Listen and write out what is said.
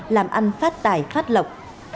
làm ăn phát tài phát lọc